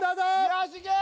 ・よしいけ！